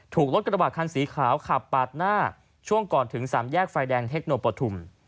ถูกรถกระบาดคันสีขาวขับปาดหน้าช่วงก่อนถึงสามแยกไฟแดงเทคโนปฐุม